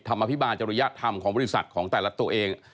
อภิบาลจริยธรรมของบริษัทของแต่ละตัวเอง